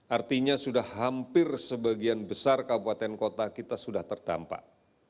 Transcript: artinya sudah hampir sebagian besar kabupaten kota kita sudah terdampak